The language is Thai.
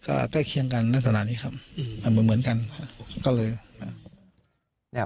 ก็ใกล้เคียงกันนักสนานนี้ครับเหมือนกันก็เลย